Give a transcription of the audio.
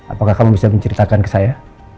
apakah kamu bisa menceritakan ke saya